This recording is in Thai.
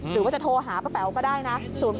หรือว่าจะโทรหาป้าเป๋าก็ได้นะ๐๘๕๖๐๔๔๖๙๐